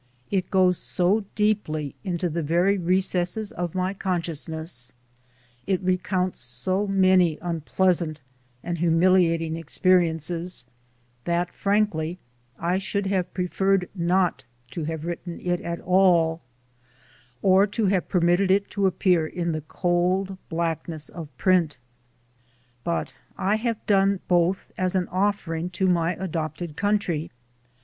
It goes so deeply into the very recesses of my con sciousness, it recounts so many unpleasant and humiliating experiences, that, frankly, I should have preferred not to have written it at all, or to have permitted it to appear in the cold blackness of FOREWORD Xlll print. But I have done both as an offering to my adopted country.